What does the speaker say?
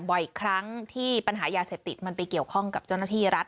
บ่อยครั้งที่ปัญหายาเสพติดมันไปเกี่ยวข้องกับเจ้าหน้าที่รัฐ